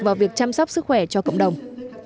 vào việc chăm sóc sức khỏe cho cộng đồng